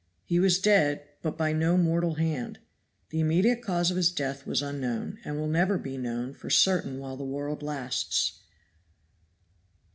He was dead, but by no mortal hand. The immediate cause of his death was unknown, and will never be known for certain while the world lasts.